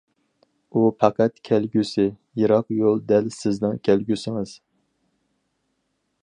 ئۇ پەقەت كەلگۈسى، يىراق يول دەل سىزنىڭ كەلگۈسىڭىز.